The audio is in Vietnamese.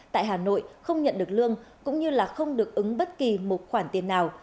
tại hà nội không nhận được lương cũng như là không được ứng bất kỳ một khoản tiền nào